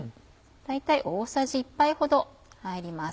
大体大さじ１杯ほど入ります。